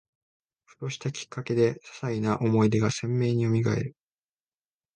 ふとしたきっかけで、ささいな思い出が鮮明によみがえる